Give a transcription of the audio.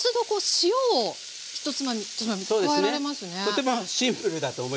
とてもシンプルだと思います。